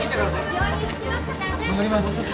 ・病院に着きましたからね！